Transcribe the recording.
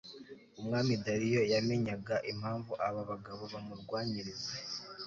umwami dariyo yamenyaga impamvu abo bagabo bamurwanyiriza